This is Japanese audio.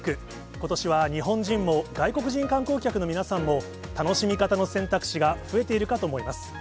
ことしは日本人も外国人観光客の皆さんも、楽しみ方の選択肢が増えているかと思います。